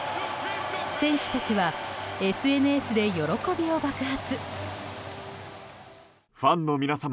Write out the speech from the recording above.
選手たちはＳＮＳで喜びを爆発。